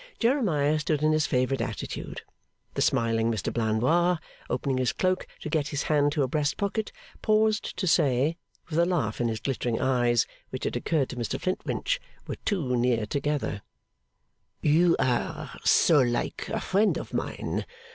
Jeremiah stood in his favourite attitude. The smiling Mr Blandois, opening his cloak to get his hand to a breast pocket, paused to say, with a laugh in his glittering eyes, which it occurred to Mr Flintwinch were too near together: 'You are so like a friend of mine!